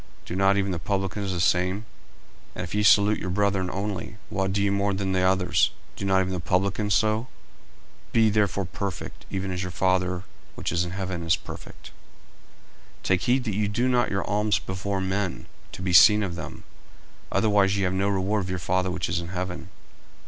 do not even the publicans the same? 40:005:047 And if ye salute your brethren only, what do ye more than others? do not even the publicans so? 40:005:048 Be ye therefore perfect, even as your Father which is in heaven is perfect. 40:006:001 Take heed that ye do not your alms before men, to be seen of them: otherwise ye have no reward of your Father which is in heaven.